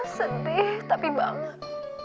sedih tapi banget